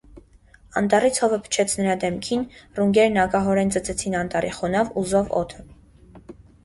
Անտառից հովը փչեց նրա դեմքին, ռունգերն ագահորեն ծծեցին անտառի խոնավ ու զով օդը: